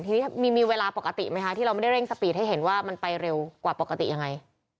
ทีนี้มีเวลาปกติไหมคะที่เราไม่ได้เร่งสปีดให้เห็นว่ามันไปเร็วกว่าปกติยังไง